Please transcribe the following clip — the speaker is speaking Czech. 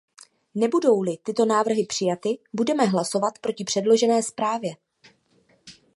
Nebudou-li tyto návrhy přijaty, budeme hlasovat proti předložené zprávě.